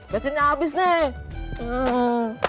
bensinnya abis nek